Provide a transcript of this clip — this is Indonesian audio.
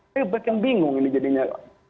saya bikin bingung ini jadinya